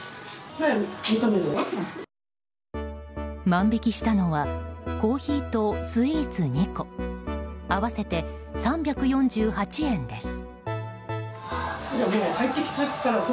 万引きしたのはコーヒーとスイーツ２個合わせて３４８円です。